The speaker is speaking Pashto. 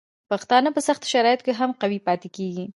پښتانه په سختو شرایطو کې هم قوي پاتې کیږي.